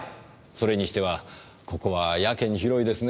それにしてはここはやけに広いですね。